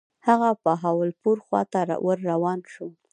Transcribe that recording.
هغه بهاولپور خواته ور روان شو.